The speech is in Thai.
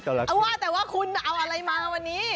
เอาว่าแต่ว่าคุณเอาอะไรมาวันนี้